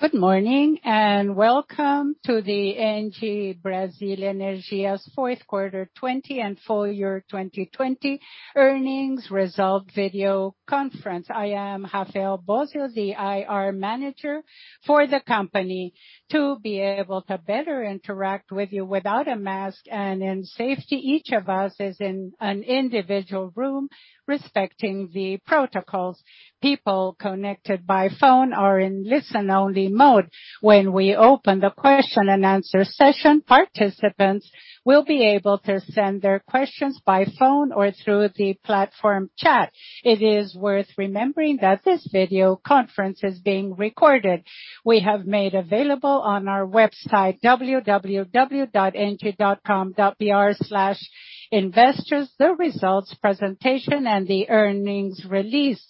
Good morning and welcome to the ENGIE Brasil Energia's fourth quarter 2020 and full year 2020 earnings result video conference. I am Rafael Bósio, the IR Manager for the company. To be able to better interact with you without a mask and in safety, each of us is in an individual room respecting the protocols. People connected by phone are in listen-only mode. When we open the question and answer session, participants will be able to send their questions by phone or through the platform chat. It is worth remembering that this video conference is being recorded. We have made available on our website, www.engie.com.br/investors, the results presentation and the earnings release,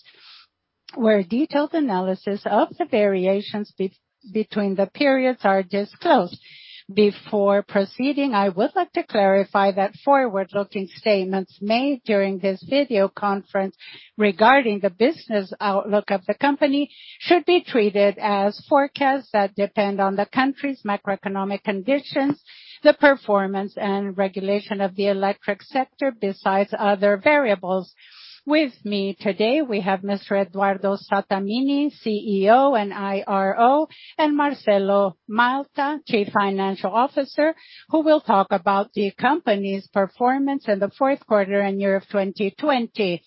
where detailed analysis of the variations between the periods are disclosed. Before proceeding, I would like to clarify that forward-looking statements made during this video conference regarding the business outlook of the company should be treated as forecasts that depend on the country's macroeconomic conditions, the performance, and regulation of the electric sector, besides other variables. With me today, we have Mr. Eduardo Sattamini, CEO and IRO, and Marcelo Malta, Chief Financial Officer, who will talk about the company's performance in the fourth quarter and year of 2020.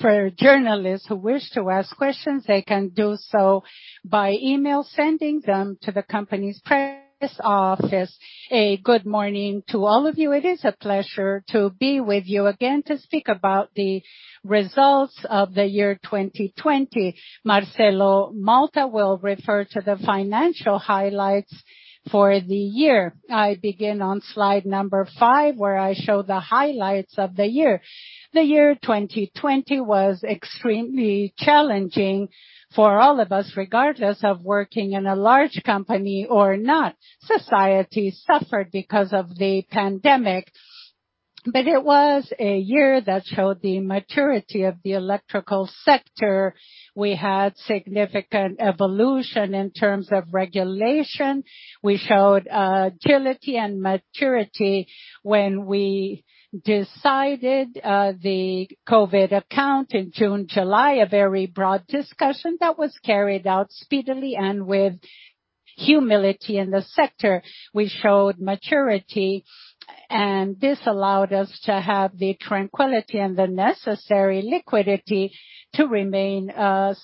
For journalists who wish to ask questions, they can do so by email sending them to the company's press office. A good morning to all of you. It is a pleasure to be with you again to speak about the results of the year 2020. Marcelo Malta will refer to the financial highlights for the year. I begin on slide number five, where I show the highlights of the year. The year 2020 was extremely challenging for all of us, regardless of working in a large company or not. Society suffered because of the pandemic, but it was a year that showed the maturity of the electrical sector. We had significant evolution in terms of regulation. We showed agility and maturity when we decided the COVID account in June-July, a very broad discussion that was carried out speedily and with humility in the sector. We showed maturity, and this allowed us to have the tranquility and the necessary liquidity to remain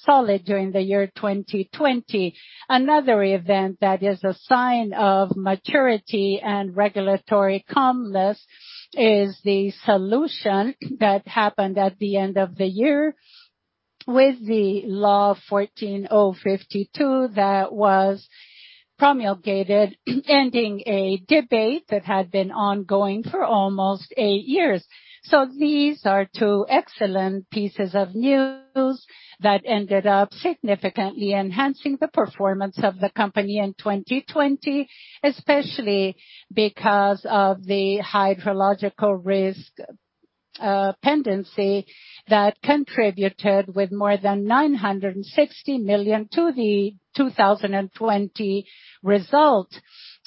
solid during the year 2020. Another event that is a sign of maturity and regulatory calmness is the solution that happened at the end of the year with the law 14052 that was promulgated, ending a debate that had been ongoing for almost eight years. These are two excellent pieces of news that ended up significantly enhancing the performance of the company in 2020, especially because of the hydrological risk pendency that contributed with more than 960 million to the 2020 result,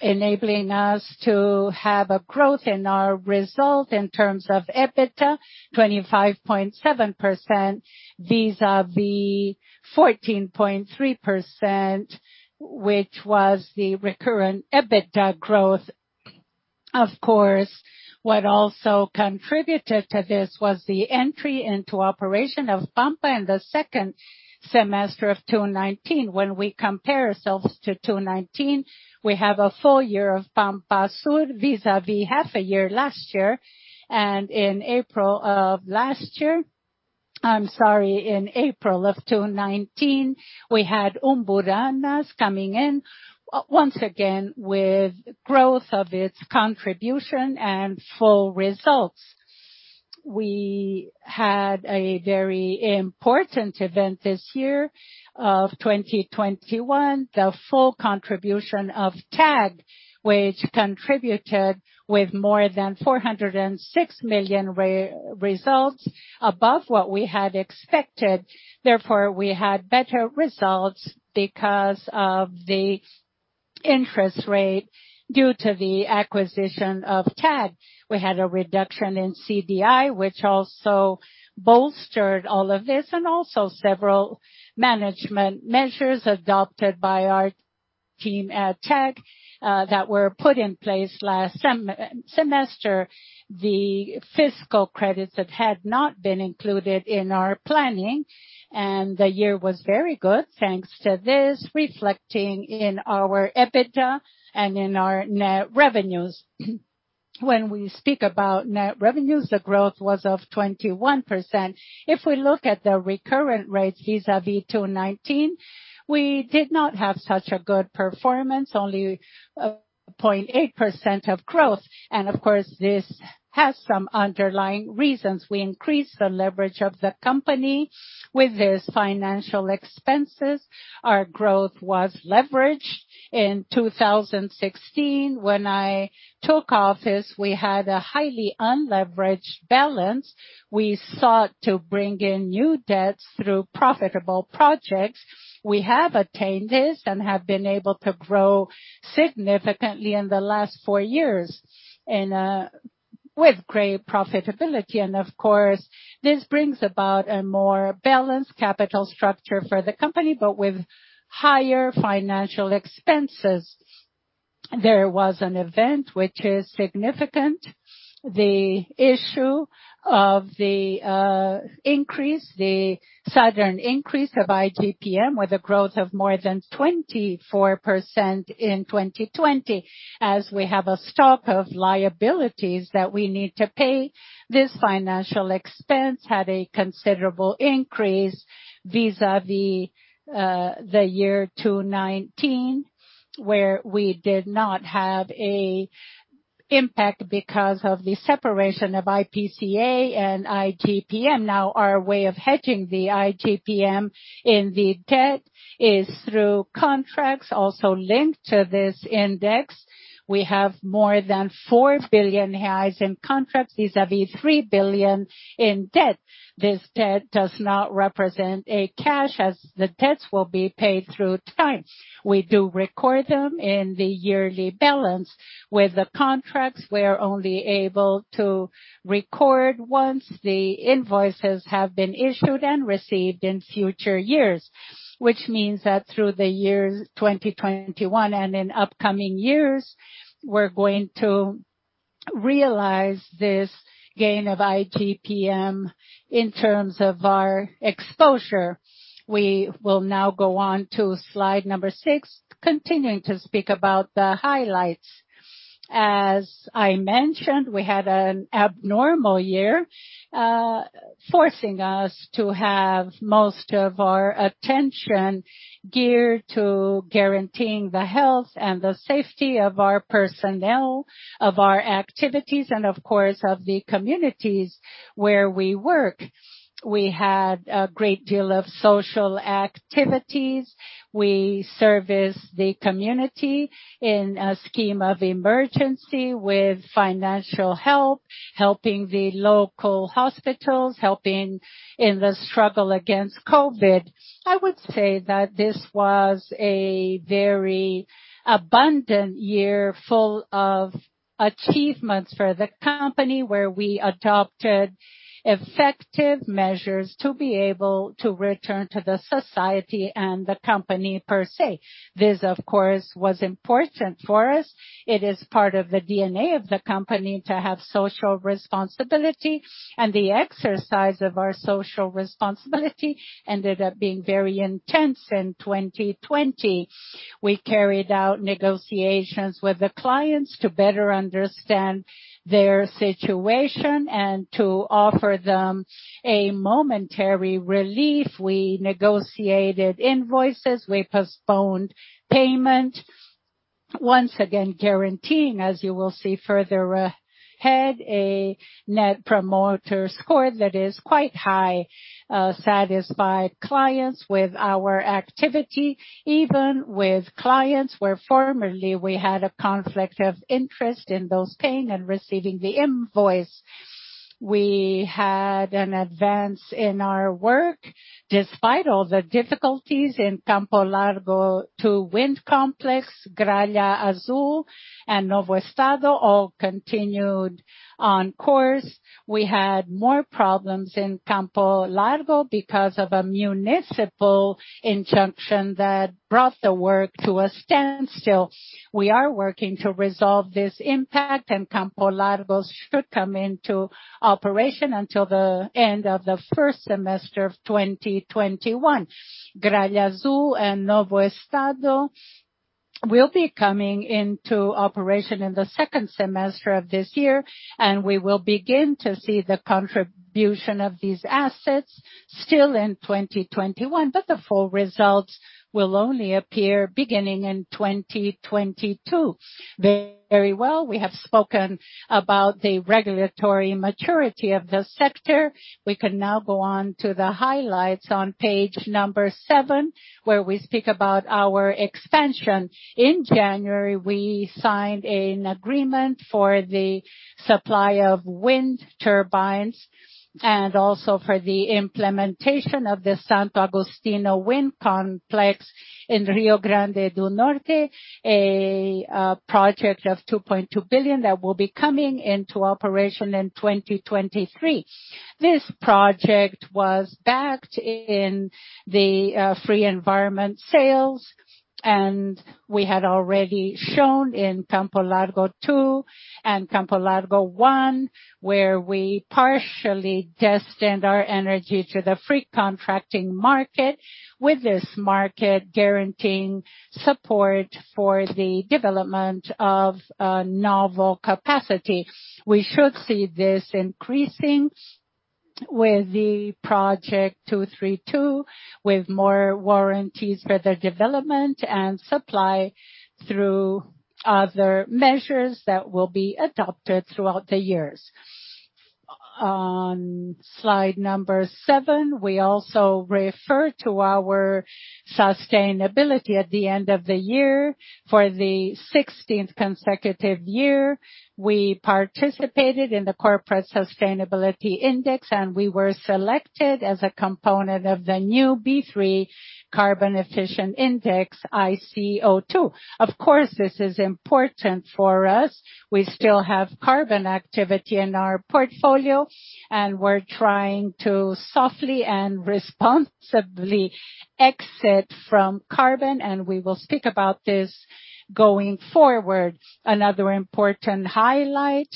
enabling us to have a growth in our result in terms of EBITDA, 25.7% vis-à-vis 14.3%, which was the recurrent EBITDA growth. Of course, what also contributed to this was the entry into operation of Pampa in the second semester of 2019. When we compare ourselves to 2019, we have a full year of Pampa Sul vis-à-vis half a year last year. In April of last year, I'm sorry, in April of 2019, we had Umburanas coming in once again with growth of its contribution and full results. We had a very important event this year of 2021, the full contribution of TAG, which contributed with more than 406 million results, above what we had expected. Therefore, we had better results because of the interest rate due to the acquisition of TAG. We had a reduction in CDI, which also bolstered all of this, and also several management measures adopted by our team at TAG that were put in place last semester. The fiscal credits that had not been included in our planning, and the year was very good, thanks to this reflecting in our EBITDA and in our net revenues. When we speak about net revenues, the growth was of 21%. If we look at the recurrent rates vis-à-vis 2019, we did not have such a good performance, only 0.8% of growth. Of course, this has some underlying reasons. We increased the leverage of the company with its financial expenses. Our growth was leveraged. In 2016, when I took office, we had a highly unleveraged balance. We sought to bring in new debts through profitable projects. We have attained this and have been able to grow significantly in the last four years with great profitability. This brings about a more balanced capital structure for the company, but with higher financial expenses. There was an event which is significant, the issue of the increase, the sudden increase of IGPM with a growth of more than 24% in 2020, as we have a stock of liabilities that we need to pay. This financial expense had a considerable increase vis-à-vis the year 2019, where we did not have an impact because of the separation of IPCA and IGPM. Now, our way of hedging the IGPM in the debt is through contracts, also linked to this index. We have more than 4 billion reais in contracts vis-à-vis 3 billion in debt. This debt does not represent cash, as the debts will be paid through time. We do record them in the yearly balance. With the contracts, we're only able to record once the invoices have been issued and received in future years, which means that through the year 2021 and in upcoming years, we're going to realize this gain of IGPM in terms of our exposure. We will now go on to slide number six, continuing to speak about the highlights. As I mentioned, we had an abnormal year forcing us to have most of our attention geared to guaranteeing the health and the safety of our personnel, of our activities, and of course, of the communities where we work. We had a great deal of social activities. We serviced the community in a scheme of emergency with financial help, helping the local hospitals, helping in the struggle against COVID. I would say that this was a very abundant year full of achievements for the company, where we adopted effective measures to be able to return to the society and the company per se. This, of course, was important for us. It is part of the DNA of the company to have social responsibility, and the exercise of our social responsibility ended up being very intense in 2020. We carried out negotiations with the clients to better understand their situation and to offer them a momentary relief. We negotiated invoices. We postponed payment, once again guaranteeing, as you will see further ahead, a net promoter score that is quite high, satisfied clients with our activity, even with clients where formerly we had a conflict of interest in those paying and receiving the invoice. We had an advance in our work despite all the difficulties in Campo Largo Wind Complex, Gralha Azul, and Novo Estado, all continued on course. We had more problems in Campo Largo because of a municipal injunction that brought the work to a standstill. We are working to resolve this impact, and Campo Largo should come into operation until the end of the first semester of 2021. Gralha Azul and Novo Estado will be coming into operation in the second semester of this year, and we will begin to see the contribution of these assets still in 2021, but the full results will only appear beginning in 2022. Very well, we have spoken about the regulatory maturity of the sector. We can now go on to the highlights on page number seven, where we speak about our expansion. In January, we signed an agreement for the supply of wind turbines and also for the implementation of the Santo Agostinho Wind Complex in Rio Grande do Norte, a project of 2.2 billion that will be coming into operation in 2023. This project was backed in the free environment sales, and we had already shown in Campo Largo Two and Campo Largo One, where we partially destined our energy to the free contracting market, with this market guaranteeing support for the development of a novel capacity. We should see this increasing with the project 232, with more warranties for the development and supply through other measures that will be adopted throughout the years. On slide number seven, we also refer to our sustainability at the end of the year. For the 16th consecutive year, we participated in the Corporate Sustainability Index, and we were selected as a component of the new B3 Carbon Efficient Index, ICO2. Of course, this is important for us. We still have carbon activity in our portfolio, and we're trying to softly and responsibly exit from carbon, and we will speak about this going forward. Another important highlight,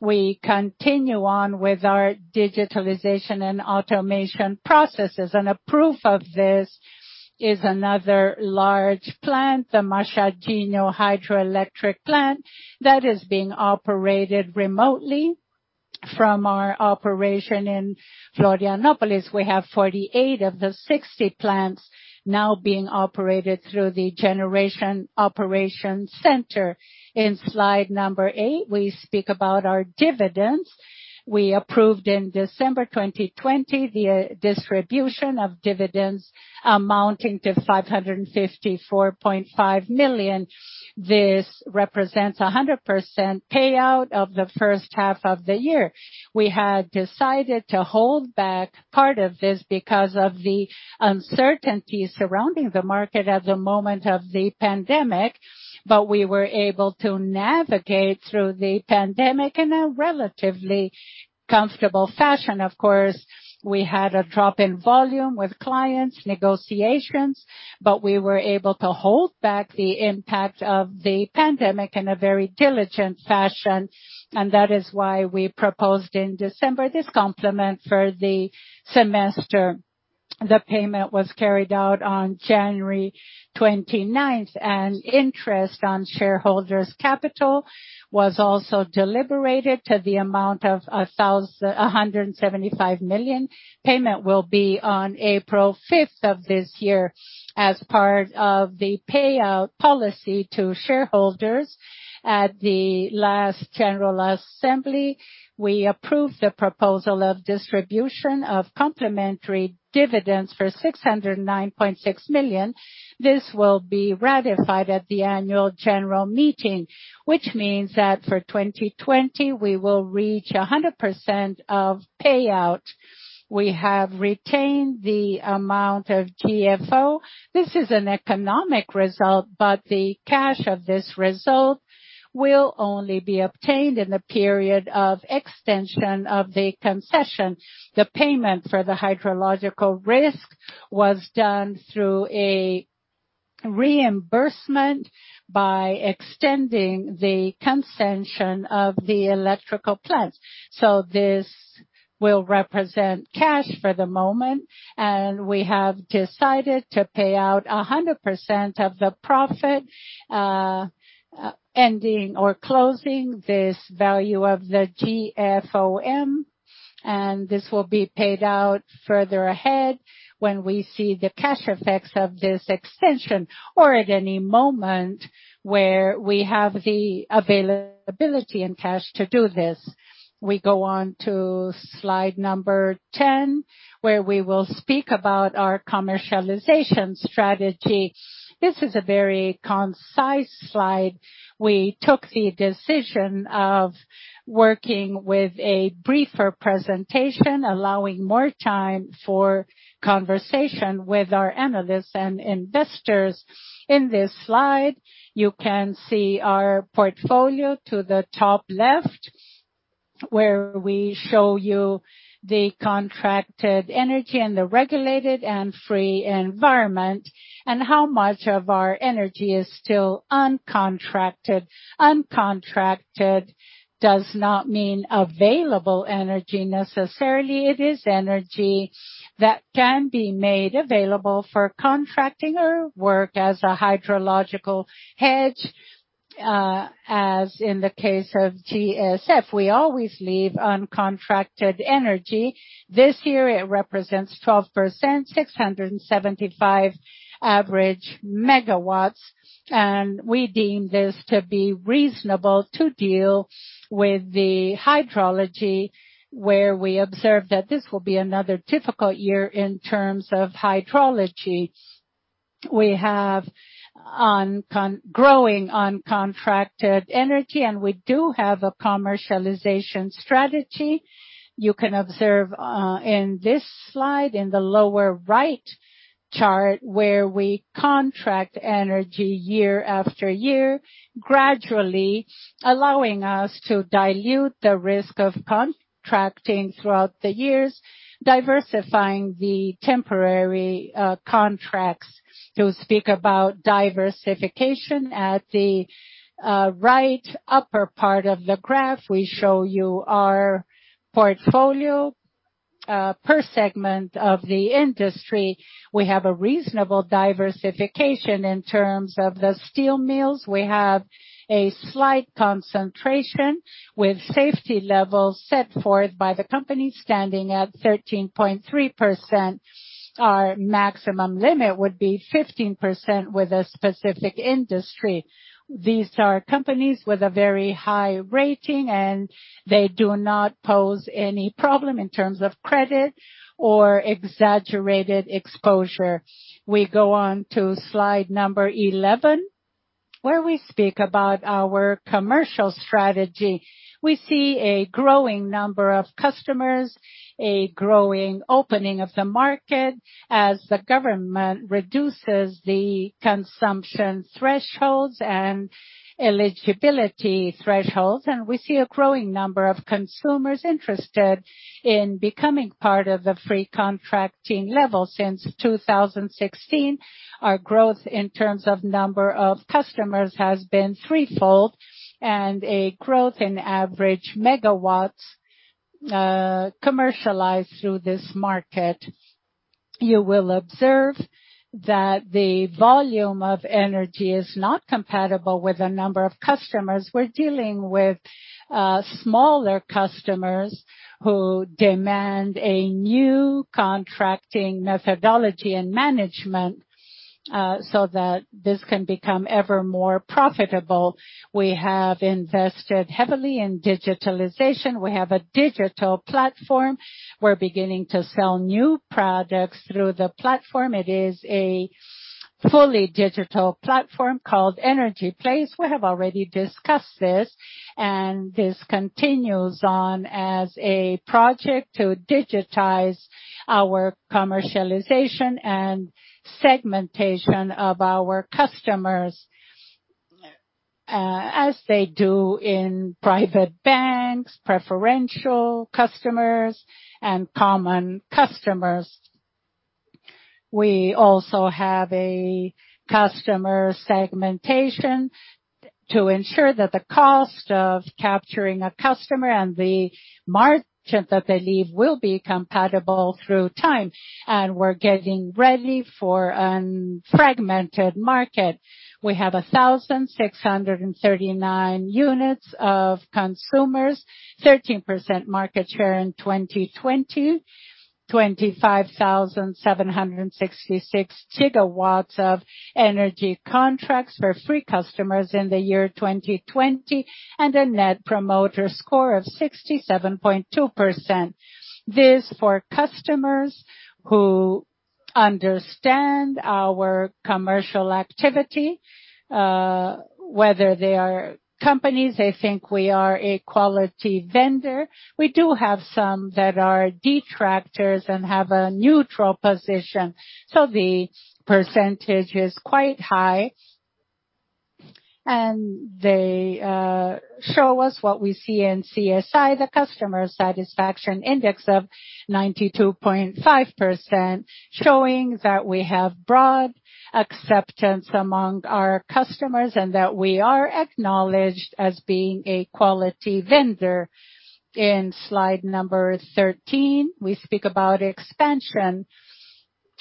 we continue on with our digitalization and automation processes, and a proof of this is another large plant, the Machadinho Hydroelectric Plant, that is being operated remotely from our operation in Florianópolis. We have 48 of the 60 plants now being operated through the Generation Operation Center. In slide number eight, we speak about our dividends. We approved in December 2020 the distribution of dividends amounting to 554.5 million. This represents 100% payout of the first half of the year. We had decided to hold back part of this because of the uncertainty surrounding the market at the moment of the pandemic, but we were able to navigate through the pandemic in a relatively comfortable fashion. Of course, we had a drop in volume with clients, negotiations, but we were able to hold back the impact of the pandemic in a very diligent fashion, and that is why we proposed in December this complement for the semester. The payment was carried out on January 29, and interest on shareholders' capital was also deliberated to the amount of 175 million. Payment will be on April 5 of this year as part of the payout policy to shareholders. At the last General Assembly, we approved the proposal of distribution of complementary dividends for 609.6 million. This will be ratified at the annual general meeting, which means that for 2020, we will reach 100% of payout. We have retained the amount of GSO. This is an economic result, but the cash of this result will only be obtained in the period of extension of the concession. The payment for the hydrological risk was done through a reimbursement by extending the concession of the electrical plants. This will represent cash for the moment, and we have decided to pay out 100% of the profit ending or closing this value of the GFOM, and this will be paid out further ahead when we see the cash effects of this extension or at any moment where we have the availability in cash to do this. We go on to slide number 10, where we will speak about our commercialization strategy. This is a very concise slide. We took the decision of working with a briefer presentation, allowing more time for conversation with our analysts and investors. In this slide, you can see our portfolio to the top left, where we show you the contracted energy and the regulated and free environment, and how much of our energy is still uncontracted. Uncontracted does not mean available energy necessarily. It is energy that can be made available for contracting or work as a hydrological hedge, as in the case of GSF. We always leave uncontracted energy. This year, it represents 12%, 675 average megawatts, and we deem this to be reasonable to deal with the hydrology, where we observe that this will be another difficult year in terms of hydrology. We have growing uncontracted energy, and we do have a commercialization strategy. You can observe in this slide in the lower right chart where we contract energy year after year, gradually allowing us to dilute the risk of contracting throughout the years, diversifying the temporary contracts. To speak about diversification, at the right upper part of the graph, we show you our portfolio per segment of the industry. We have a reasonable diversification in terms of the steel mills. We have a slight concentration with safety levels set forth by the company, standing at 13.3%. Our maximum limit would be 15% with a specific industry. These are companies with a very high rating, and they do not pose any problem in terms of credit or exaggerated exposure. We go on to slide number 11, where we speak about our commercial strategy. We see a growing number of customers, a growing opening of the market as the government reduces the consumption thresholds and eligibility thresholds, and we see a growing number of consumers interested in becoming part of the free contracting level. Since 2016, our growth in terms of number of customers has been threefold and a growth in average megawatts commercialized through this market. You will observe that the volume of energy is not compatible with the number of customers. We're dealing with smaller customers who demand a new contracting methodology and management so that this can become ever more profitable. We have invested heavily in digitalization. We have a digital platform. We're beginning to sell new products through the platform. It is a fully digital platform called Energy Place. We have already discussed this, and this continues on as a project to digitize our commercialization and segmentation of our customers as they do in private banks, preferential customers, and common customers. We also have a customer segmentation to ensure that the cost of capturing a customer and the margin that they leave will be compatible through time, and we're getting ready for a fragmented market. We have 1,639 units of consumers, 13% market share in 2020, 25,766 gigawatts of energy contracts for free customers in the year 2020, and a net promoter score of 67.2%. This is for customers who understand our commercial activity, whether they are companies. They think we are a quality vendor. We do have some that are detractors and have a neutral position, so the percentage is quite high, and they show us what we see in CSI, the Customer Satisfaction Index of 92.5%, showing that we have broad acceptance among our customers and that we are acknowledged as being a quality vendor. In slide number 13, we speak about expansion.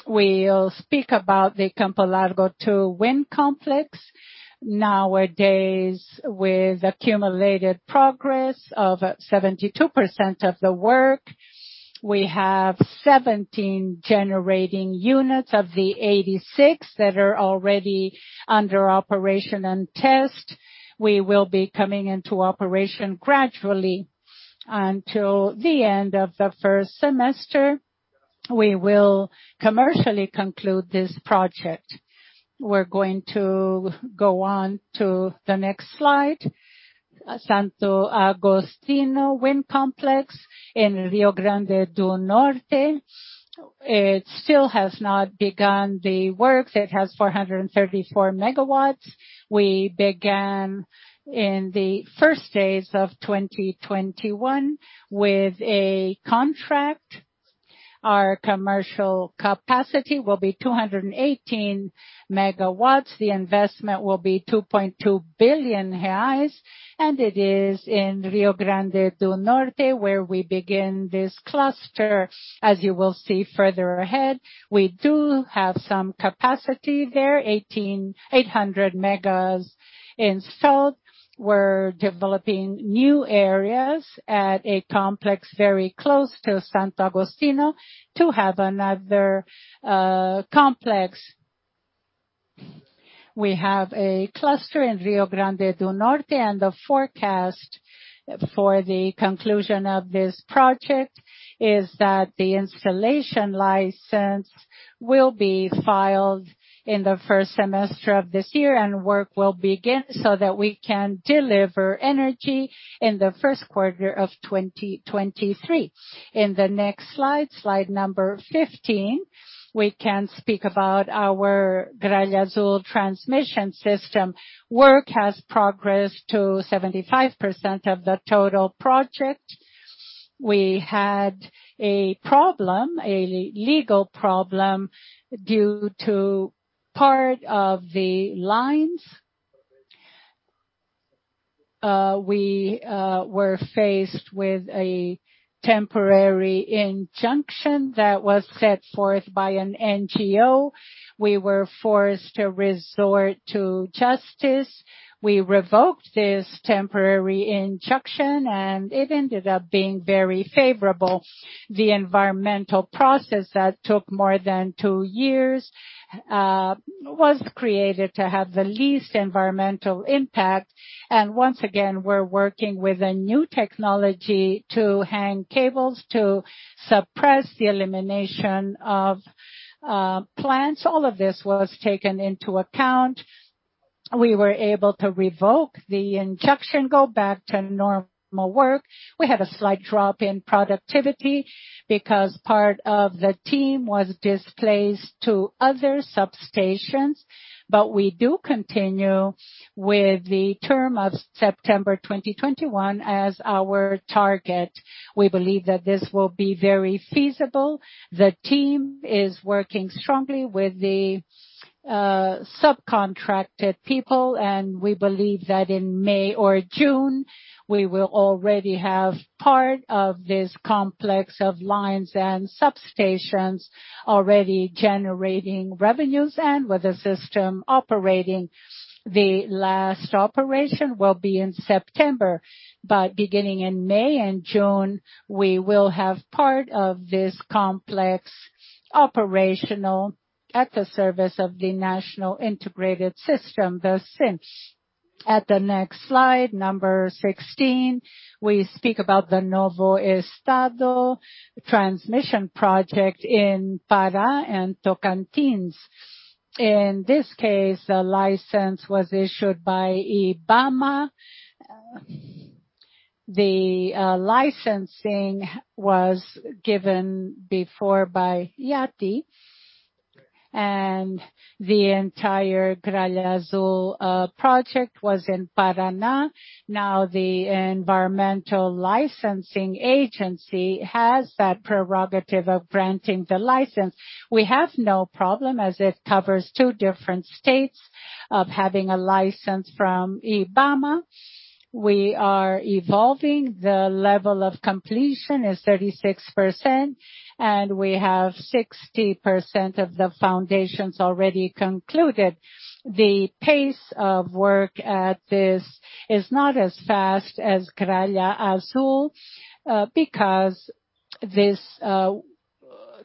We'll speak about the Campo Largo Two Wind Complex. Nowadays, with accumulated progress of 72% of the work, we have 17 generating units of the 86 that are already under operation and test. We will be coming into operation gradually until the end of the first semester. We will commercially conclude this project. We're going to go on to the next slide, Santo Agostinho Wind Complex in Rio Grande do Norte. It still has not begun the works. It has 434 megawatts. We began in the first days of 2021 with a contract. Our commercial capacity will be 218 megawatts. The investment will be 2.2 billion reais, and it is in Rio Grande do Norte where we begin this cluster, as you will see further ahead. We do have some capacity there, 1,800 megawatts installed. We're developing new areas at a complex very close to Santo Agostinho to have another complex. We have a cluster in Rio Grande do Norte, and the forecast for the conclusion of this project is that the installation license will be filed in the first semester of this year, and work will begin so that we can deliver energy in the first quarter of 2023. In the next slide, slide number 15, we can speak about our Gralha Azul transmission system. Work has progressed to 75% of the total project. We had a problem, a legal problem due to part of the lines. We were faced with a temporary injunction that was set forth by an NGO. We were forced to resort to justice. We revoked this temporary injunction, and it ended up being very favorable. The environmental process that took more than two years was created to have the least environmental impact, and once again, we're working with a new technology to hang cables to suppress the elimination of plants. All of this was taken into account. We were able to revoke the injunction, go back to normal work. We had a slight drop in productivity because part of the team was displaced to other substations, but we do continue with the term of September 2021 as our target. We believe that this will be very feasible. The team is working strongly with the subcontracted people, and we believe that in May or June, we will already have part of this complex of lines and substations already generating revenues, and with the system operating. The last operation will be in September, but beginning in May and June, we will have part of this complex operational at the service of the National Integrated System, the SIN. At the next slide, number 16, we speak about the Novo Estado transmission project in Pará and Tocantins. In this case, the license was issued by IBAMA. The licensing was given before by IAT, and the entire Gralha Azul project was in Paraná. Now, the Environmental Licensing Agency has that prerogative of granting the license. We have no problem as it covers two different states of having a license from IBAMA. We are evolving. The level of completion is 36%, and we have 60% of the foundations already concluded. The pace of work at this is not as fast as Gralha Azul because this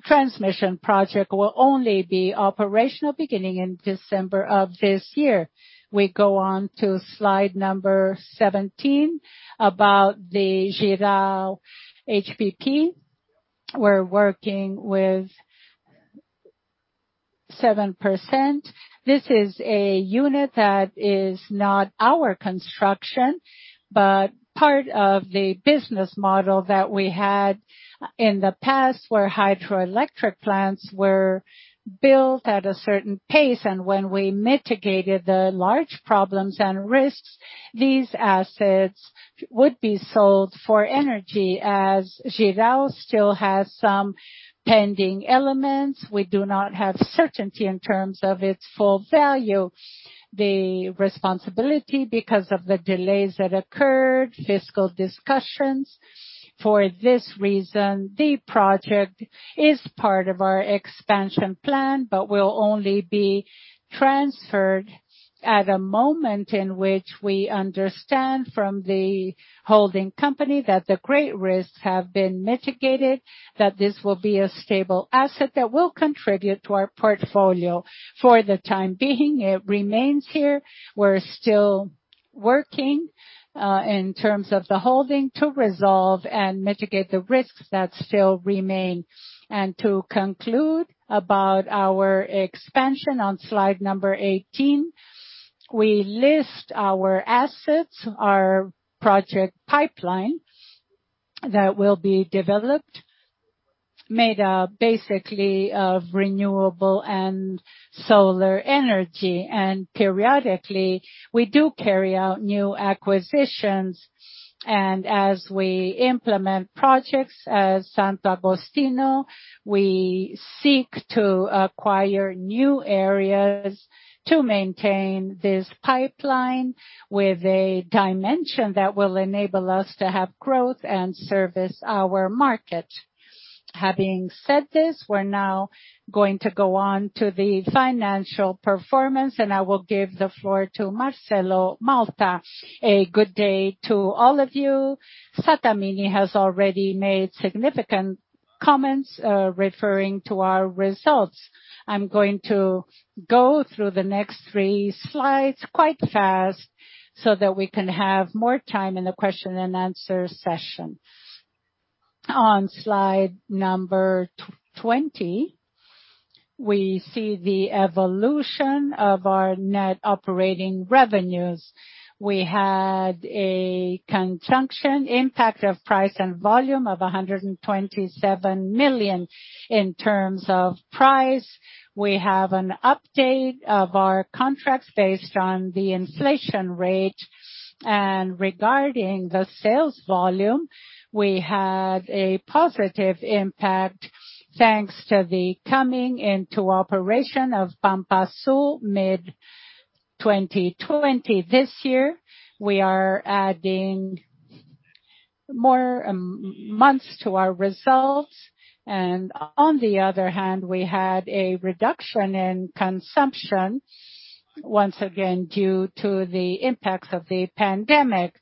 transmission project will only be operational beginning in December of this year. We go on to slide number 17 about the Jirau HPP. We're working with 7%. This is a unit that is not our construction, but part of the business model that we had in the past where hydroelectric plants were built at a certain pace, and when we mitigated the large problems and risks, these assets would be sold for energy. As Girau still has some pending elements, we do not have certainty in terms of its full value. The responsibility because of the delays that occurred, fiscal discussions. For this reason, the project is part of our expansion plan, but will only be transferred at a moment in which we understand from the holding company that the great risks have been mitigated, that this will be a stable asset that will contribute to our portfolio. For the time being, it remains here. We're still working in terms of the holding to resolve and mitigate the risks that still remain. To conclude about our expansion, on slide number 18, we list our assets, our project pipeline that will be developed, made up basically of renewable and solar energy, and periodically, we do carry out new acquisitions. As we implement projects at Santo Agostinho, we seek to acquire new areas to maintain this pipeline with a dimension that will enable us to have growth and service our market. Having said this, we're now going to go on to the financial performance, and I will give the floor to Marcelo Malta. A good day to all of you. Sattamini has already made significant comments referring to our results. I'm going to go through the next three slides quite fast so that we can have more time in the question and answer session. On slide number 20, we see the evolution of our net operating revenues. We had a conjunction impact of price and volume of 127 million. In terms of price, we have an update of our contracts based on the inflation rate, and regarding the sales volume, we had a positive impact thanks to the coming into operation of Pampa Sul mid-2020 this year. We are adding more months to our results, and on the other hand, we had a reduction in consumption once again due to the impacts of the pandemic.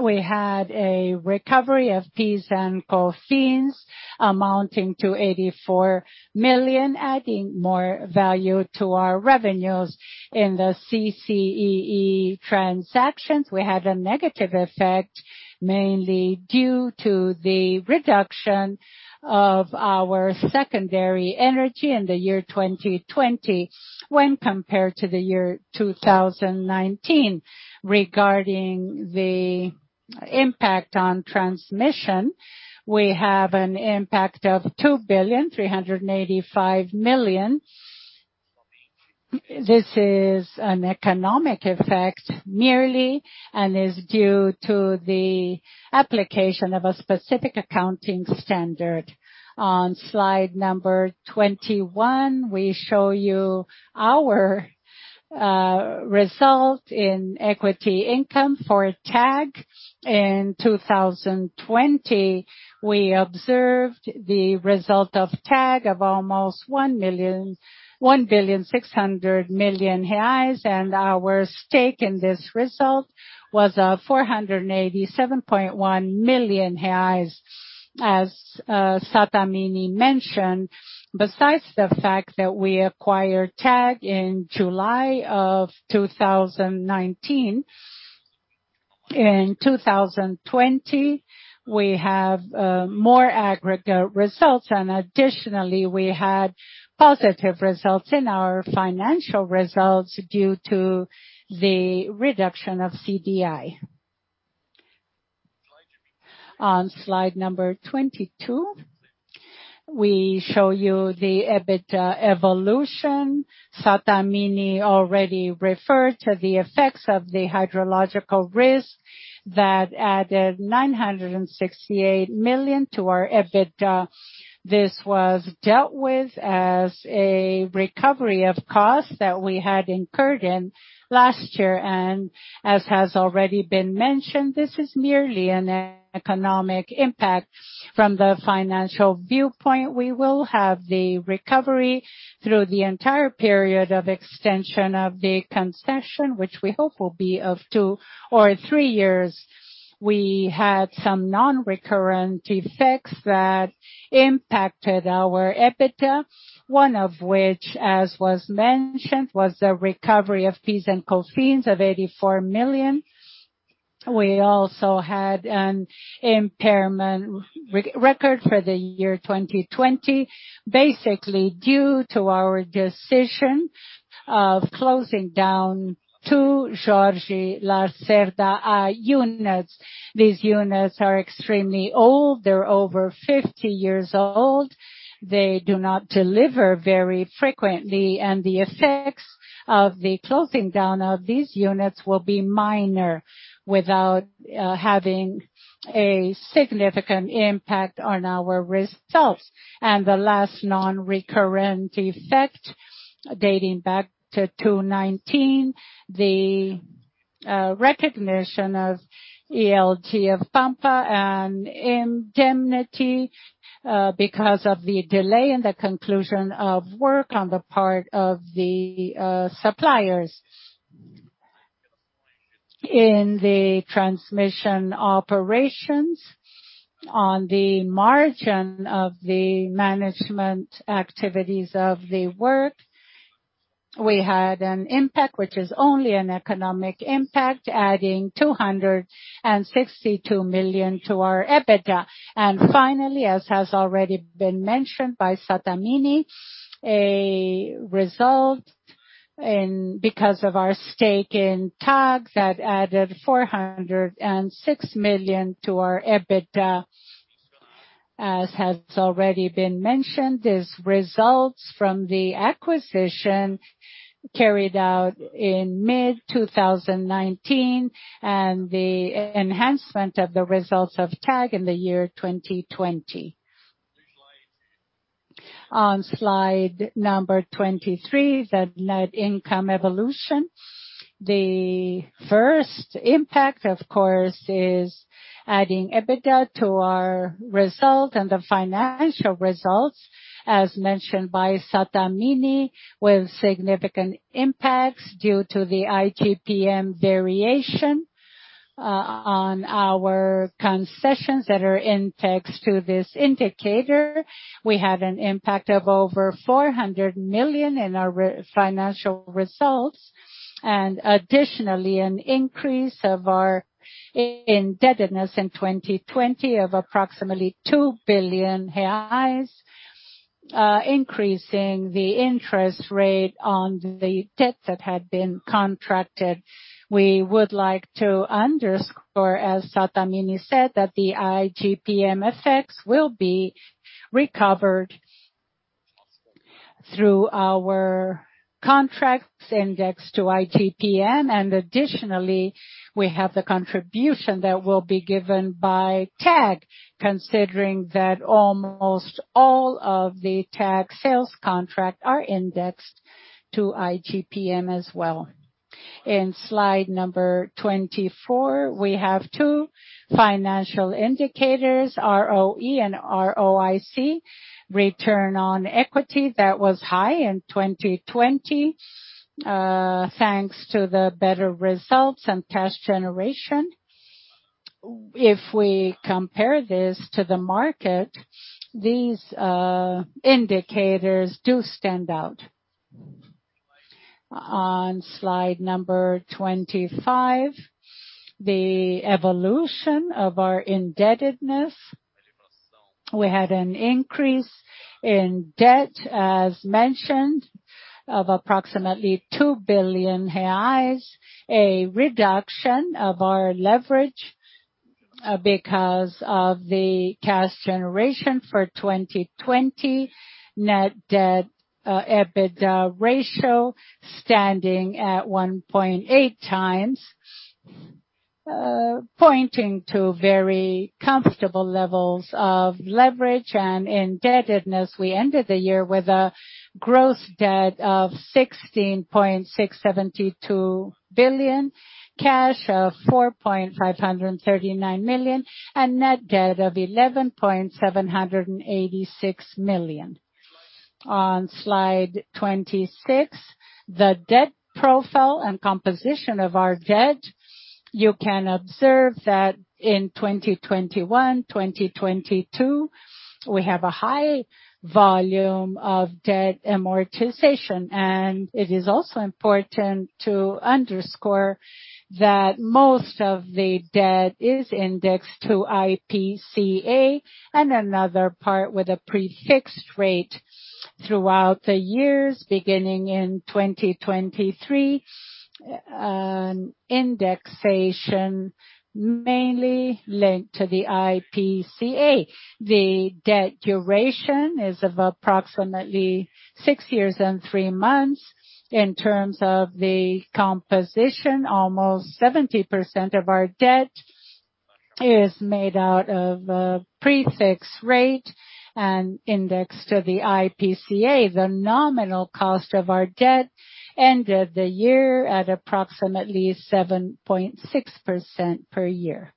We had a recovery of peas and coffees amounting to 84 million, adding more value to our revenues. In the CCEE transactions, we had a negative effect mainly due to the reduction of our secondary energy in the year 2020 when compared to the year 2019. Regarding the impact on transmission, we have an impact of 2.385 billion. This is an economic effect merely and is due to the application of a specific accounting standard. On slide number 21, we show you our result in equity income for TAG. In 2020, we observed the result of TAG of almost 1 billion, 1 billion, 600 million, and our stake in this result was 487.1 million reais, as Sattamini mentioned. Besides the fact that we acquired TAG in July of 2019, in 2020, we have more aggregate results, and additionally, we had positive results in our financial results due to the reduction of CDI. On slide number 22, we show you the EBITDA evolution. Sattamini already referred to the effects of the hydrological risk that added 968 million to our EBITDA. This was dealt with as a recovery of costs that we had incurred in last year, and as has already been mentioned, this is merely an economic impact. From the financial viewpoint, we will have the recovery through the entire period of extension of the concession, which we hope will be of two or three years. We had some non-recurrent effects that impacted our EBITDA, one of which, as was mentioned, was the recovery of peas and coffees of 84 million. We also had an impairment record for the year 2020, basically due to our decision of closing down two Jorge Lacerda units. These units are extremely old. They're over 50 years old. They do not deliver very frequently, and the effects of the closing down of these units will be minor without having a significant impact on our results. The last non-recurrent effect dating back to 2019, the recognition of ELG of Pampa and indemnity because of the delay in the conclusion of work on the part of the suppliers. In the transmission operations, on the margin of the management activities of the work, we had an impact, which is only an economic impact, adding 262 million to our EBITDA. Finally, as has already been mentioned by Sattamini, a result because of our stake in TAG that added 406 million to our EBITDA, as has already been mentioned, is results from the acquisition carried out in mid-2019 and the enhancement of the results of TAG in the year 2020. On slide number 23, the net income evolution. The first impact, of course, is adding EBITDA to our result and the financial results, as mentioned by Sattamini, with significant impacts due to the IGPM variation on our concessions that are indexed to this indicator. We had an impact of over 400 million in our financial results and additionally an increase of our indebtedness in 2020 of approximately 2 billion reais, increasing the interest rate on the debt that had been contracted. We would like to underscore, as Sattamini said, that the IGPM effects will be recovered through our contracts indexed to IGPM, and additionally, we have the contribution that will be given by TAG, considering that almost all of the TAG sales contracts are indexed to IGPM as well. In slide number 24, we have two financial indicators, ROE and ROIC, return on equity that was high in 2020 thanks to the better results and cash generation. If we compare this to the market, these indicators do stand out. On slide number 25, the evolution of our indebtedness. We had an increase in debt, as mentioned, of approximately 2 billion reais, a reduction of our leverage because of the cash generation for 2020, net debt EBITDA ratio standing at 1.8 times, pointing to very comfortable levels of leverage and indebtedness. We ended the year with a gross debt of 16.672 billion, cash of 4.539 billion, and net debt of 11.786 billion. On slide 26, the debt profile and composition of our debt, you can observe that in 2021, 2022, we have a high volume of debt amortization, and it is also important to underscore that most of the debt is indexed to IPCA and another part with a prefixed rate throughout the years, beginning in 2023, and indexation mainly linked to the IPCA. The debt duration is of approximately 6 years and 3 months. In terms of the composition, almost 70% of our debt is made out of a prefixed rate and indexed to the IPCA. The nominal cost of our debt ended the year at approximately 7.6% per year.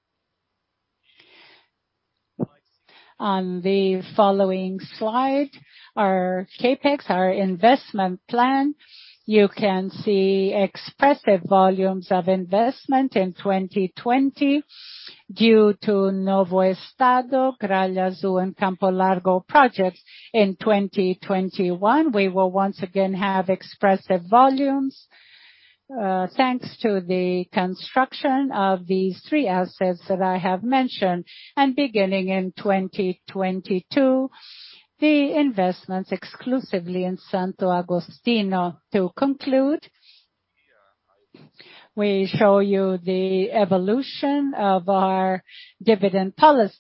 On the following slide, our CapEx, our investment plan, you can see expressive volumes of investment in 2020 due to Novo Estado, Gralha Azul, and Campo Largo projects. In 2021, we will once again have expressive volumes thanks to the construction of these three assets that I have mentioned, and beginning in 2022, the investments exclusively in Santo Agostinho. To conclude, we show you the evolution of our dividend policy,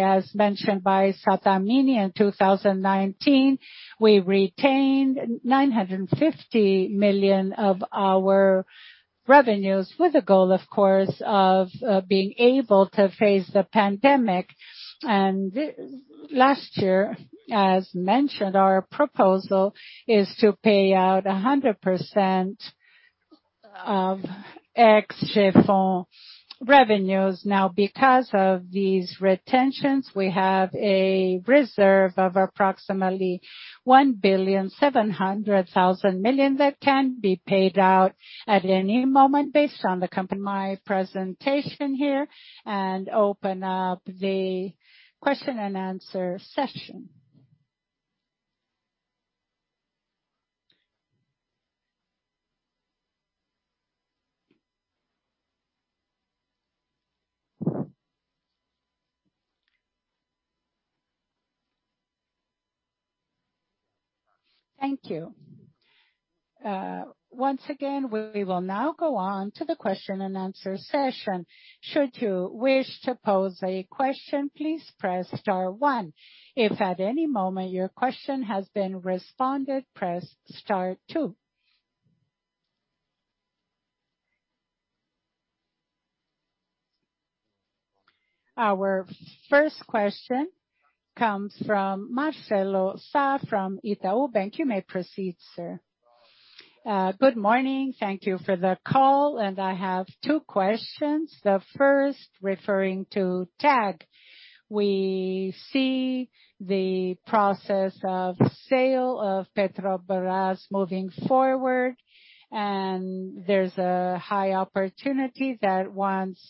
as mentioned by Sattamini in 2019. We retained 950 million of our revenues with a goal, of course, of being able to face the pandemic. Last year, as mentioned, our proposal is to pay out 100% of ex-JeFON revenues. Now, because of these retentions, we have a reserve of approximately 1.7 billion that can be paid out at any moment based on the. My presentation here and open up the question and answer session. Thank you. Once again, we will now go on to the question and answer session. Should you wish to pose a question, please press star one. If at any moment your question has been responded, press star two. Our first question comes from Marcelo Sá from Itaú Bank. You may proceed, sir. Good morning. Thank you for the call, and I have two questions. The first referring to TAG. We see the process of sale of Petrobras moving forward, and there's a high opportunity that once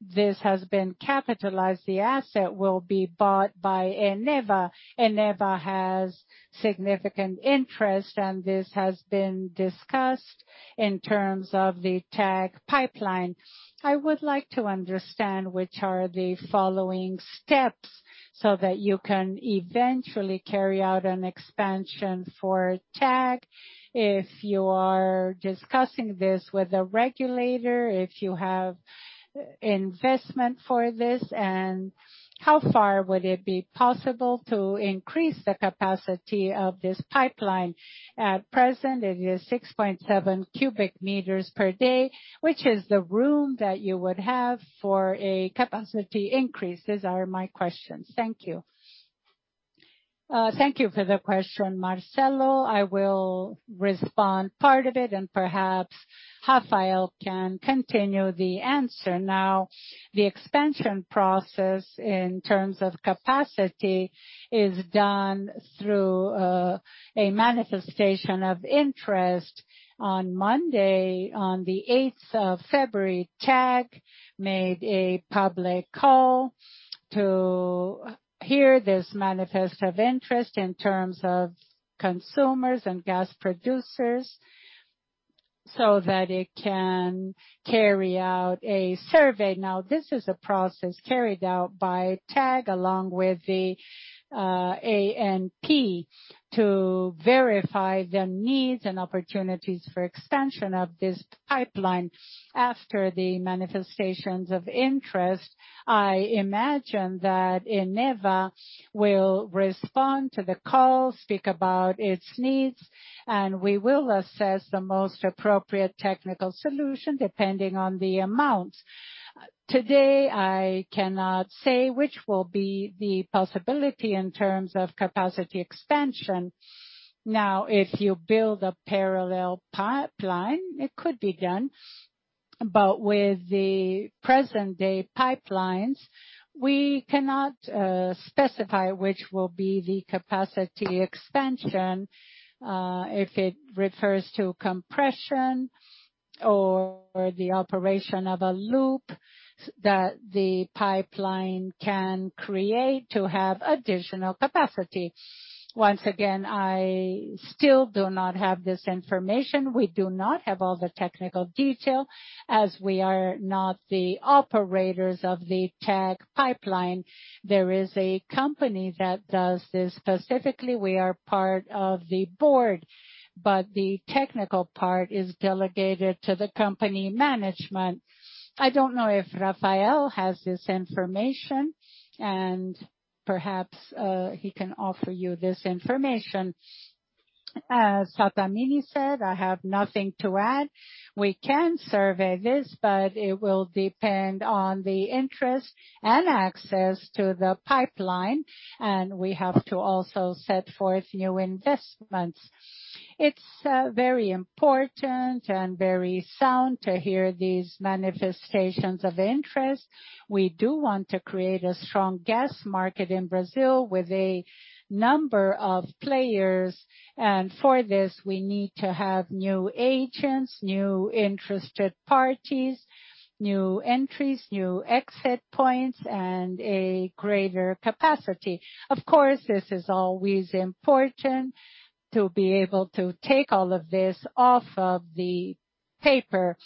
this has been capitalized, the asset will be bought by Eneva. Eneva has significant interest, and this has been discussed in terms of the TAG pipeline. I would like to understand which are the following steps so that you can eventually carry out an expansion for TAG if you are discussing this with a regulator, if you have investment for this, and how far would it be possible to increase the capacity of this pipeline? At present, it is 6.7 million cubic meters per day, which is the room that you would have for a capacity increase. These are my questions. Thank you. Thank you for the question, Marcelo. I will respond part of it, and perhaps Rafael can continue the answer. Now, the expansion process in terms of capacity is done through a manifestation of interest. On Monday, on the 8th of February, TAG made a public call to hear this manifest of interest in terms of consumers and gas producers so that it can carry out a survey. Now, this is a process carried out by TAG along with the ANP to verify the needs and opportunities for expansion of this pipeline. After the manifestations of interest, I imagine that Eneva will respond to the call, speak about its needs, and we will assess the most appropriate technical solution depending on the amounts. Today, I cannot say which will be the possibility in terms of capacity expansion. Now, if you build a parallel pipeline, it could be done, but with the present-day pipelines, we cannot specify which will be the capacity expansion if it refers to compression or the operation of a loop that the pipeline can create to have additional capacity. Once again, I still do not have this information. We do not have all the technical detail as we are not the operators of the TAG pipeline. There is a company that does this specifically. We are part of the board, but the technical part is delegated to the company management. I do not know if Rafael has this information, and perhaps he can offer you this information. As Sattamini said, I have nothing to add. We can survey this, but it will depend on the interest and access to the pipeline, and we have to also set forth new investments. It is very important and very sound to hear these manifestations of interest. We do want to create a strong gas market in Brazil with a number of players, and for this, we need to have new agents, new interested parties, new entries, new exit points, and a greater capacity. Of course, this is always important to be able to take all of this off of the paper.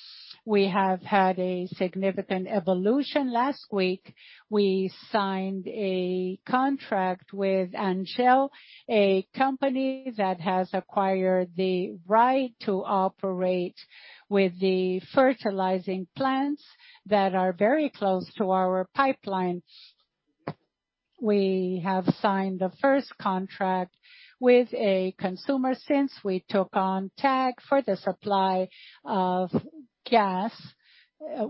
We have had a significant evolution. Last week, we signed a contract with ENGIE, a company that has acquired the right to operate with the fertilizing plants that are very close to our pipeline. We have signed the first contract with a consumer since we took on TAG for the supply of gas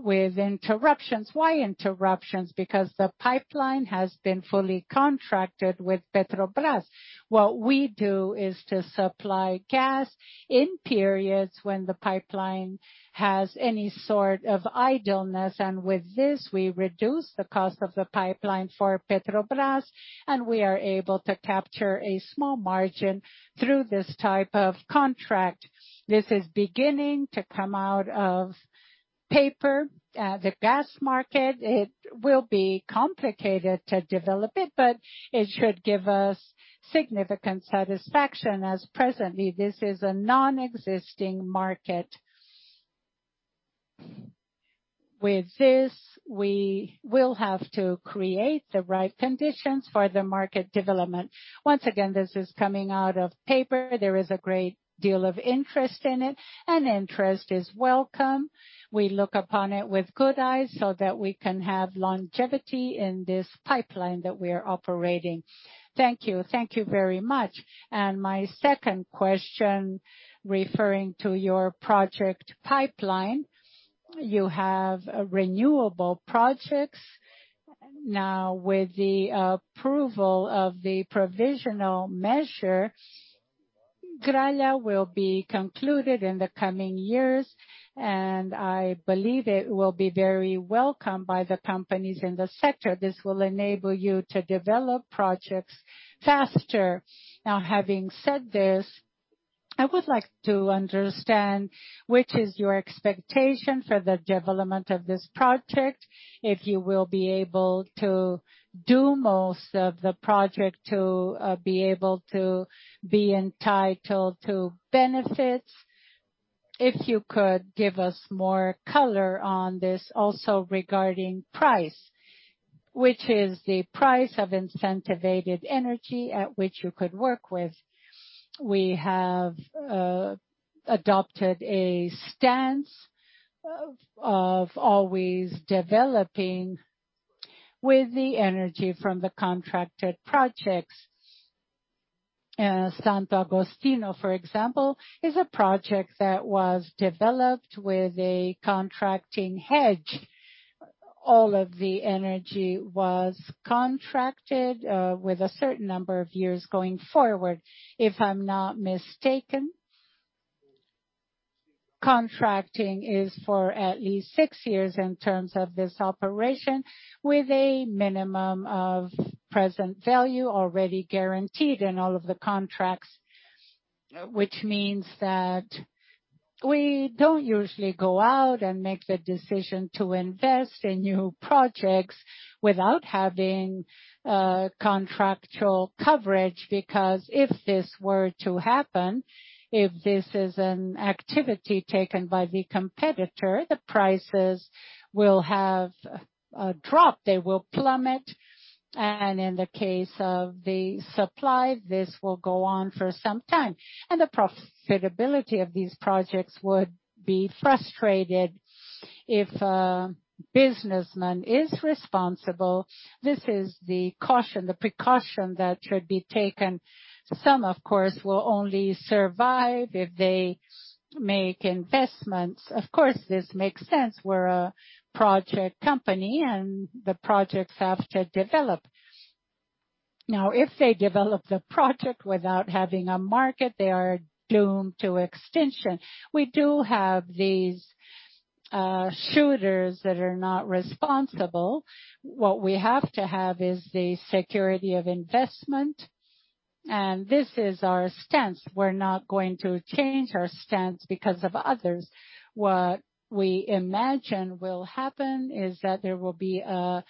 with interruptions. Why interruptions? Because the pipeline has been fully contracted with Petrobras. What we do is to supply gas in periods when the pipeline has any sort of idleness, and with this, we reduce the cost of the pipeline for Petrobras, and we are able to capture a small margin through this type of contract. This is beginning to come out of paper at the gas market. It will be complicated to develop it, but it should give us significant satisfaction as presently this is a non-existing market. With this, we will have to create the right conditions for the market development. Once again, this is coming out of paper. There is a great deal of interest in it, and interest is welcome. We look upon it with good eyes so that we can have longevity in this pipeline that we are operating. Thank you. Thank you very much. My second question referring to your project pipeline, you have renewable projects. Now, with the approval of the provisional measure, Gralha will be concluded in the coming years, and I believe it will be very welcome by the companies in the sector. This will enable you to develop projects faster. Now, having said this, I would like to understand which is your expectation for the development of this project, if you will be able to do most of the project to be able to be entitled to benefits. If you could give us more color on this also regarding price, which is the price of incentivated energy at which you could work with. We have adopted a stance of always developing with the energy from the contracted projects. Santo Agostinho, for example, is a project that was developed with a contracting hedge. All of the energy was contracted with a certain number of years going forward. If I'm not mistaken, contracting is for at least six years in terms of this operation with a minimum of present value already guaranteed in all of the contracts, which means that we don't usually go out and make the decision to invest in new projects without having contractual coverage because if this were to happen, if this is an activity taken by the competitor, the prices will have a drop. They will plummet. In the case of the supply, this will go on for some time. The profitability of these projects would be frustrated if a businessman is responsible. This is the caution, the precaution that should be taken. Some, of course, will only survive if they make investments. Of course, this makes sense. We're a project company, and the projects have to develop. Now, if they develop the project without having a market, they are doomed to extinction. We do have these shooters that are not responsible. What we have to have is the security of investment, and this is our stance. We're not going to change our stance because of others. What we imagine will happen is that there will be a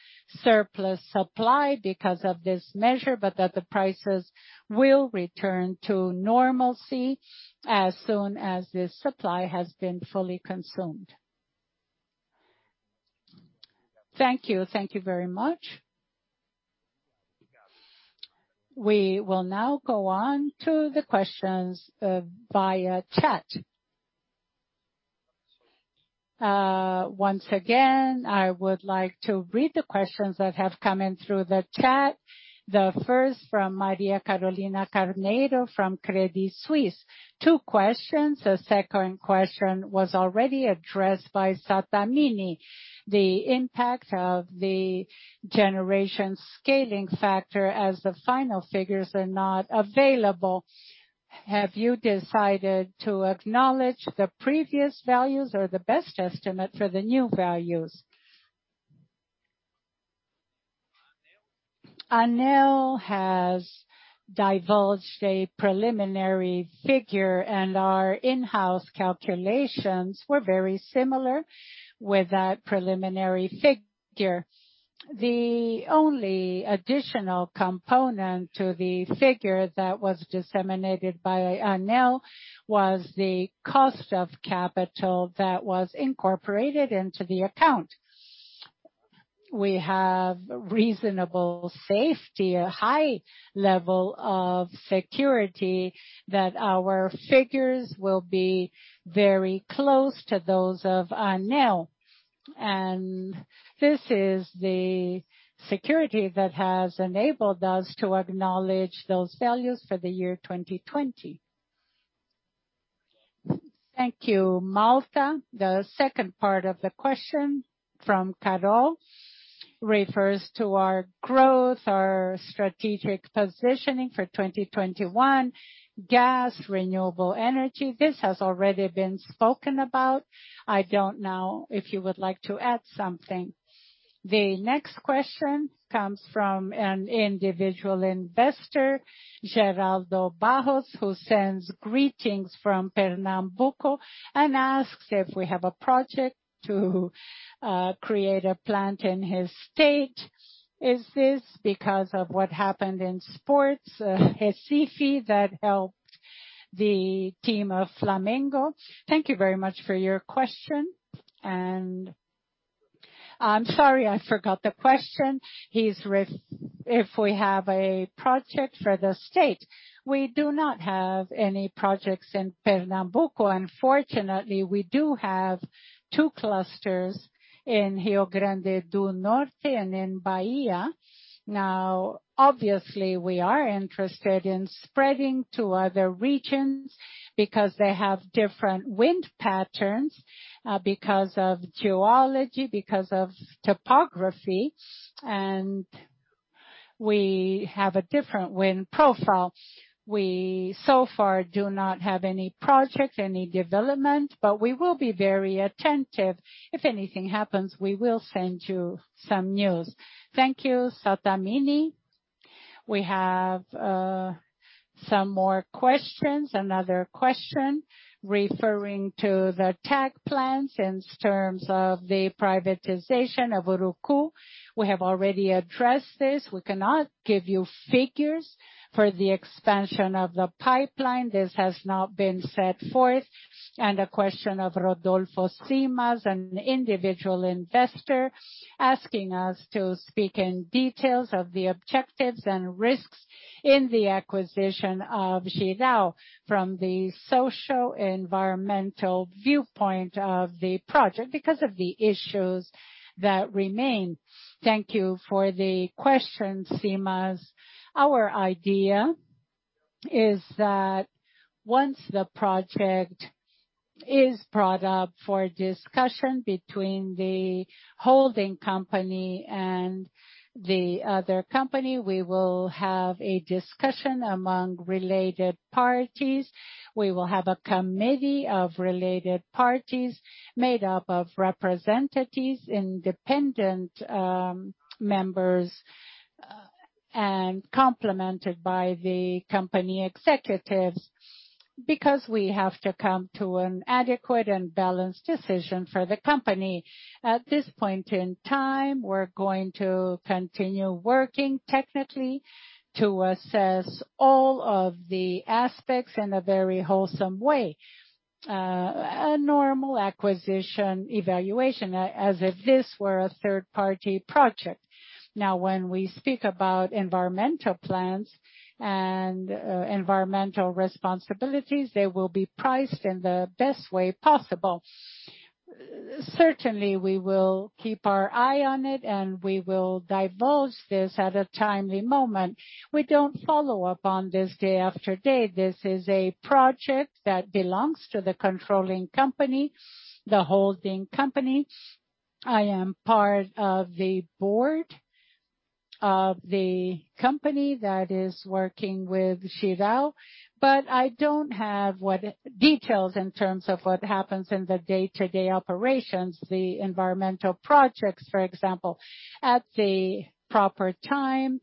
surplus supply because of this measure, but that the prices will return to normalcy as soon as this supply has been fully consumed. Thank you. Thank you very much. We will now go on to the questions via chat. Once again, I would like to read the questions that have come in through the chat. The first from Maria Carolina Carneiro from Credit Suisse. Two questions. The second question was already addressed by Sattamini. The impact of the generation scaling factor as the final figures are not available. Have you decided to acknowledge the previous values or the best estimate for the new values? ANEEL has divulged a preliminary figure, and our in-house calculations were very similar with that preliminary figure. The only additional component to the figure that was disseminated by ANEEL was the cost of capital that was incorporated into the account. We have reasonable safety, a high level of security that our figures will be very close to those of ANEEL. This is the security that has enabled us to acknowledge those values for the year 2020. Thank you, Malta. The second part of the question from Carol refers to our growth, our strategic positioning for 2021, gas, renewable energy. This has already been spoken about. I don't know if you would like to add something. The next question comes from an individual investor, Geraldo Bajos, who sends greetings from Pernambuco and asks if we have a project to create a plant in his state. Is this because of what happened in sports, Esifi, that helped the team of Flamengo? Thank you very much for your question. I'm sorry, I forgot the question. If we have a project for the state, we do not have any projects in Pernambuco. Unfortunately, we do have two clusters in Rio Grande do Norte and in Bahia. Now, obviously, we are interested in spreading to other regions because they have different wind patterns because of geology, because of topography, and we have a different wind profile. We so far do not have any project, any development, but we will be very attentive. If anything happens, we will send you some news. Thank you, Sattamini. We have some more questions. Another question referring to the TAG plans in terms of the privatization of Urucu. We have already addressed this. We cannot give you figures for the expansion of the pipeline. This has not been set forth. A question of Rodolfo Simas, an individual investor, asking us to speak in details of the objectives and risks in the acquisition of Girau from the socio-environmental viewpoint of the project because of the issues that remain. Thank you for the question, Simas. Our idea is that once the project is brought up for discussion between the holding company and the other company, we will have a discussion among related parties. We will have a committee of related parties made up of representatives, independent members, and complemented by the company executives because we have to come to an adequate and balanced decision for the company. At this point in time, we're going to continue working technically to assess all of the aspects in a very wholesome way, a normal acquisition evaluation as if this were a third-party project. Now, when we speak about environmental plans and environmental responsibilities, they will be priced in the best way possible. Certainly, we will keep our eye on it, and we will divulge this at a timely moment. We don't follow up on this day after day. This is a project that belongs to the controlling company, the holding company. I am part of the board of the company that is working with Girau, but I do not have details in terms of what happens in the day-to-day operations, the environmental projects, for example. At the proper time,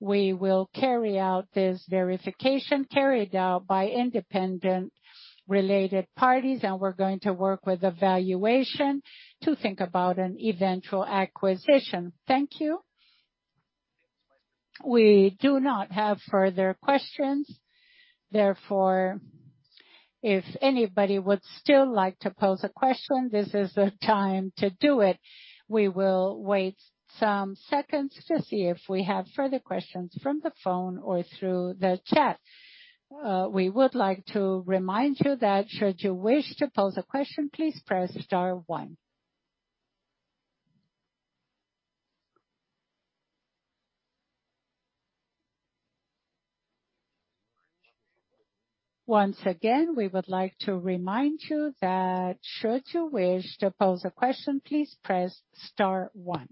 we will carry out this verification carried out by independent related parties, and we are going to work with evaluation to think about an eventual acquisition. Thank you. We do not have further questions. Therefore, if anybody would still like to pose a question, this is the time to do it. We will wait some seconds to see if we have further questions from the phone or through the chat. We would like to remind you that should you wish to pose a question, please press star one. Once again, we would like to remind you that should you wish to pose a question, please press star one.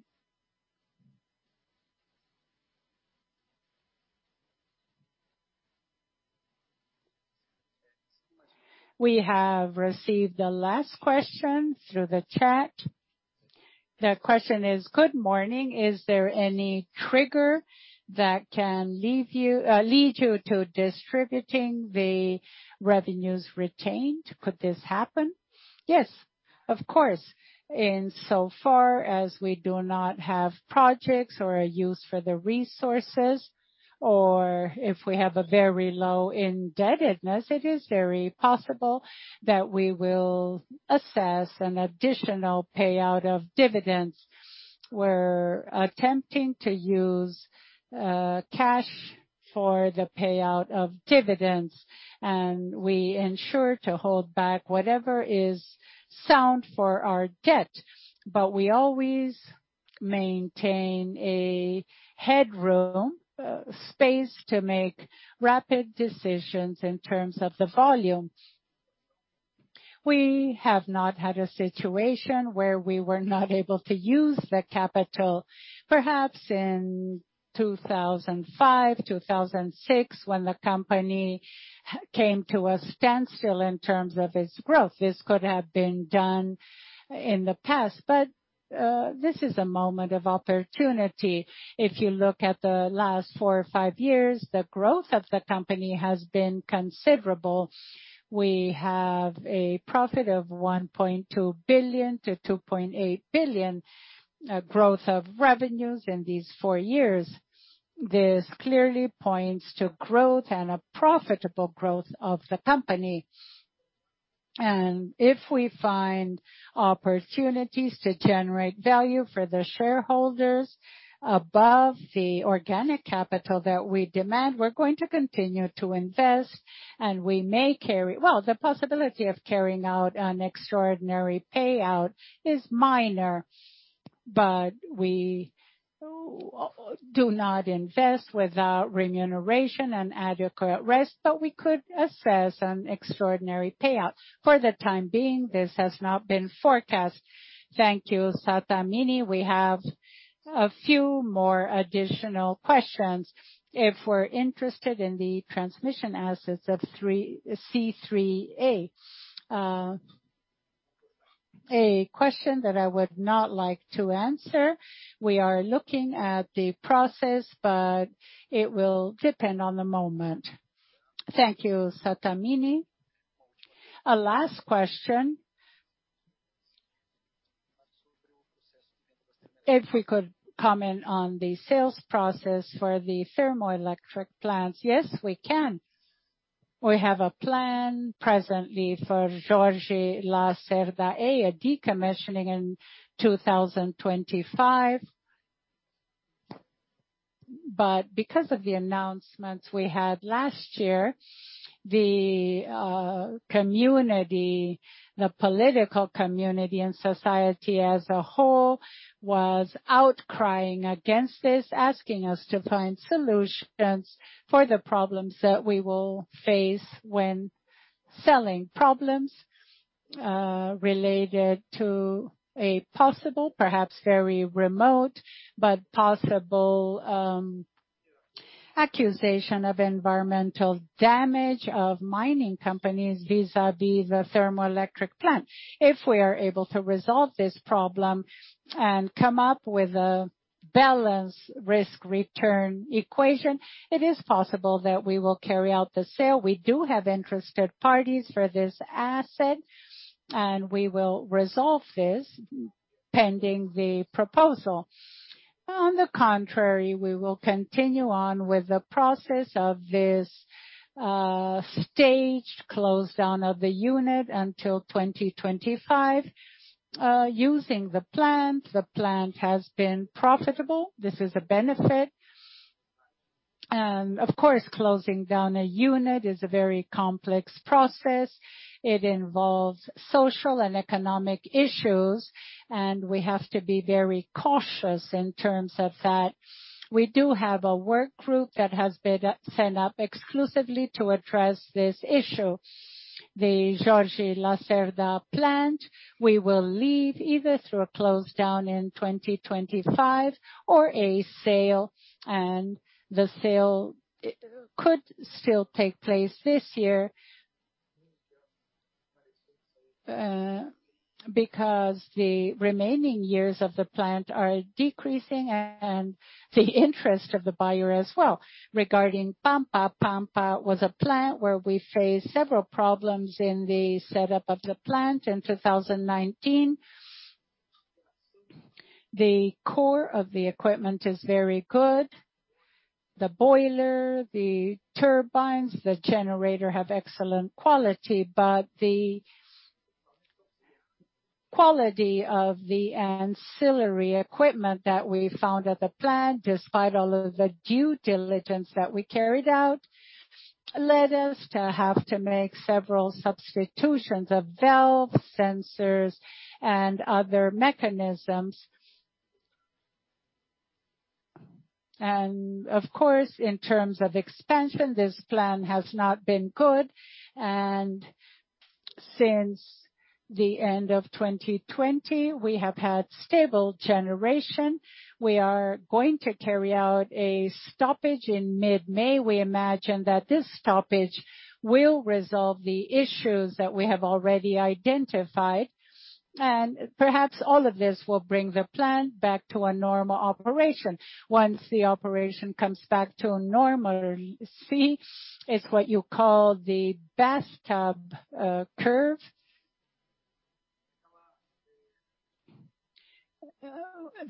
We have received the last question through the chat. The question is, "Good morning. Is there any trigger that can lead you to distributing the revenues retained? Could this happen?" Yes, of course. Insofar as we do not have projects or a use for the resources, or if we have a very low indebtedness, it is very possible that we will assess an additional payout of dividends. We're attempting to use cash for the payout of dividends, and we ensure to hold back whatever is sound for our debt, but we always maintain a headroom space to make rapid decisions in terms of the volume. We have not had a situation where we were not able to use the capital, perhaps in 2005, 2006, when the company came to a standstill in terms of its growth. This could have been done in the past, but this is a moment of opportunity. If you look at the last four or five years, the growth of the company has been considerable. We have a profit of 1.2 billion to 2.8 billion growth of revenues in these four years. This clearly points to growth and a profitable growth of the company. If we find opportunities to generate value for the shareholders above the organic capital that we demand, we are going to continue to invest, and we may carry—the possibility of carrying out an extraordinary payout is minor, but we do not invest without remuneration and adequate rest, but we could assess an extraordinary payout. For the time being, this has not been forecast. Thank you, Sattamini. We have a few more additional questions. If we're interested in the transmission assets of C3A, a question that I would not like to answer. We are looking at the process, but it will depend on the moment. Thank you, Sattamini. A last question. If we could comment on the sales process for the thermoelectric plants. Yes, we can. We have a plan presently for Jorge Lacerda A, a decommissioning in 2025. Because of the announcements we had last year, the community, the political community and society as a whole was outcrying against this, asking us to find solutions for the problems that we will face when selling, problems related to a possible, perhaps very remote, but possible accusation of environmental damage of mining companies vis-à-vis the thermoelectric plant. If we are able to resolve this problem and come up with a balanced risk-return equation, it is possible that we will carry out the sale. We do have interested parties for this asset, and we will resolve this pending the proposal. On the contrary, we will continue on with the process of this staged close down of the unit until 2025 using the plant. The plant has been profitable. This is a benefit. Closing down a unit is a very complex process. It involves social and economic issues, and we have to be very cautious in terms of that. We do have a work group that has been set up exclusively to address this issue. The Jorge Lacerda plant, we will leave either through a close down in 2025 or a sale, and the sale could still take place this year because the remaining years of the plant are decreasing and the interest of the buyer as well. Regarding Pampa, Pampa was a plant where we faced several problems in the setup of the plant in 2019. The core of the equipment is very good. The boiler, the turbines, the generator have excellent quality, but the quality of the ancillary equipment that we found at the plant, despite all of the due diligence that we carried out, led us to have to make several substitutions of valves, sensors, and other mechanisms. Of course, in terms of expansion, this plant has not been good. Since the end of 2020, we have had stable generation. We are going to carry out a stoppage in mid-May. We imagine that this stoppage will resolve the issues that we have already identified. Perhaps all of this will bring the plant back to a normal operation. Once the operation comes back to normalcy, it's what you call the bathtub curve.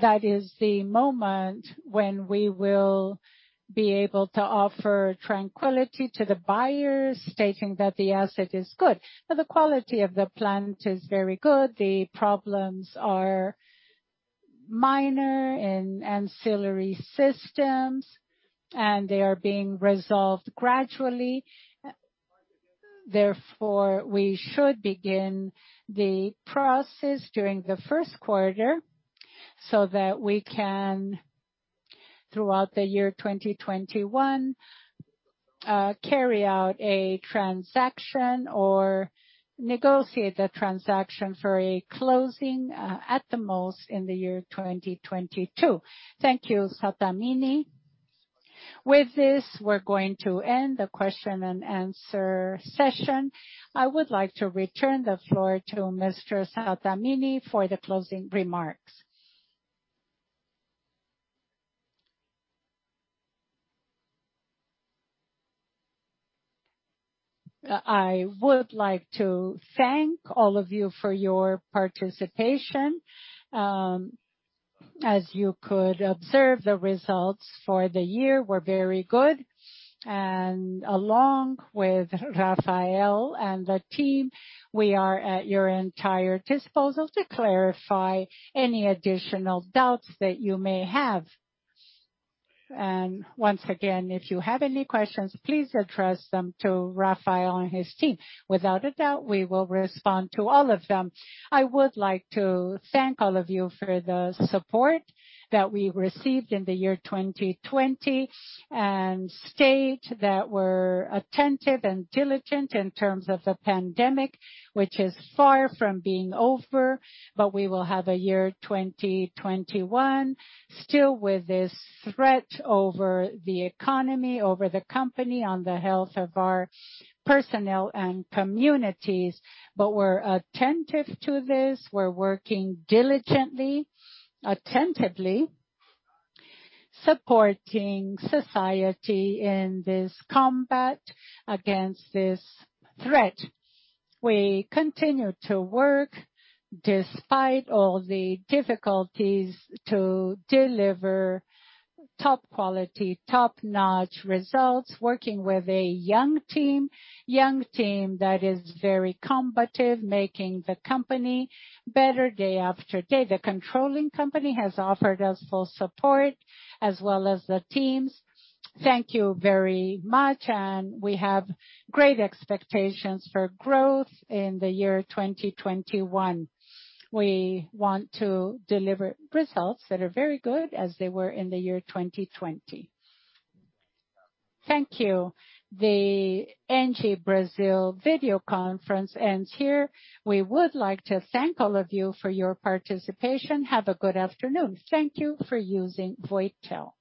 That is the moment when we will be able to offer tranquility to the buyers, stating that the asset is good. Now, the quality of the plant is very good. The problems are minor in ancillary systems, and they are being resolved gradually. Therefore, we should begin the process during the first quarter so that we can, throughout the year 2021, carry out a transaction or negotiate the transaction for a closing at the most in the year 2022. Thank you, Sattamini. With this, we're going to end the question and answer session. I would like to return the floor to Mr. Sattamini for the closing remarks. I would like to thank all of you for your participation. As you could observe, the results for the year were very good. Along with Rafael and the team, we are at your entire disposal to clarify any additional doubts that you may have. Once again, if you have any questions, please address them to Rafael and his team. Without a doubt, we will respond to all of them. I would like to thank all of you for the support that we received in the year 2020 and state that we're attentive and diligent in terms of the pandemic, which is far from being over. We will have a year 2021 still with this threat over the economy, over the company, on the health of our personnel and communities. We're attentive to this. We're working diligently, attentively, supporting society in this combat against this threat. We continue to work despite all the difficulties to deliver top-quality, top-notch results, working with a young team, young team that is very combative, making the company better day after day. The controlling company has offered us full support as well as the teams. Thank you very much, and we have great expectations for growth in the year 2021. We want to deliver results that are very good as they were in the year 2020. Thank you. The ENGIEBrasil Energia video conference ends here. We would like to thank all of you for your participation. Have a good afternoon. Thank you for using Voitel.